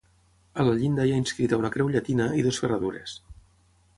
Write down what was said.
A la llinda hi ha inscrita una creu llatina i dues ferradures.